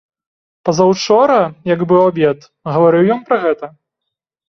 Пазаўчора, як быў абед, гаварыў ён пра гэта?